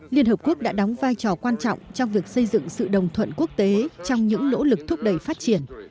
liên hợp quốc đã đóng vai trò quan trọng trong việc xây dựng sự đồng thuận quốc tế trong những nỗ lực thúc đẩy phát triển